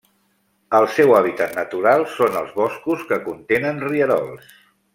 El seu hàbitat natural són els boscos que contenen rierols.